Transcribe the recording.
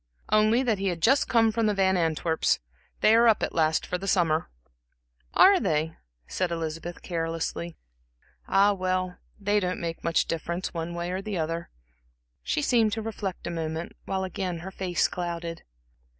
"Only that he had just come from the Van Antwerps' they are up at last for the summer." "Are they," said Elizabeth, carelessly. "Ah, well, they don't make much difference, one way or the other." She seemed to reflect a moment, while again her face clouded.